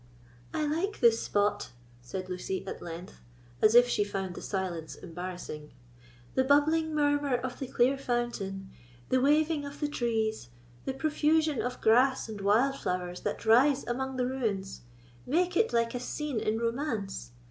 "I like this spot," said Lucy at length, as if she found the silence embarrassing; "the bubbling murmur of the clear fountain, the waving of the trees, the profusion of grass and wild flowers that rise among the ruins, make it like a scene in romance.